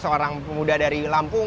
seorang pemuda dari lampung